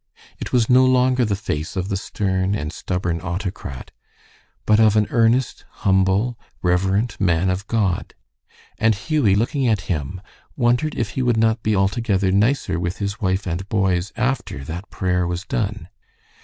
It was no longer the face of the stern and stubborn autocrat, but of an earnest, humble, reverent man of God; and Hughie, looking at him, wondered if he would not be altogether nicer with his wife and boys after that prayer was done.